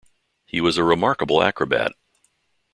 He was a remarkable acrobat.